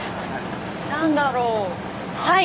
何だろう？